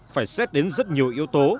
phải xét đến rất nhiều yếu tố